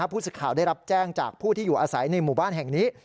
ผู้สื่อข่าวได้รับแจ้งจากผู้ที่อยู่อาศัยในหมู่บ้านแห่งนี้